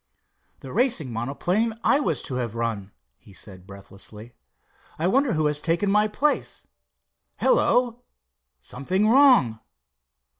"The racing monoplane I was to have run," he said breathlessly. "I wonder who has taken my place? Hello—something wrong!"